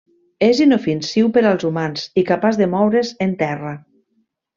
És inofensiu per als humans i capaç de moure's en terra.